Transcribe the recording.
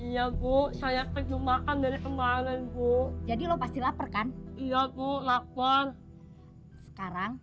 ya gue saya kejumatan dari kemarin bu jadi lo pasti lapar kan iya tuh lapar sekarang